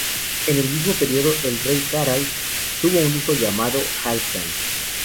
En el mismo periodo, el rey Harald tuvo un hijo llamado Halfdan.